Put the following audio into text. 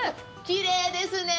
きれいですね。